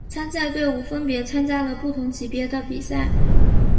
参赛队伍分别参加了不同级别的比赛。